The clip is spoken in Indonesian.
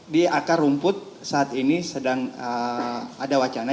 di akar rumput saat ini sedang ada wacana